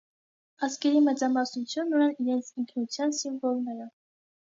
Ազգերի մեծամասնությունն ունեն իրենց ինքնության սիմվոլները։